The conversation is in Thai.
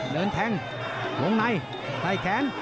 เดินแทงหลงในนั่งใจแขน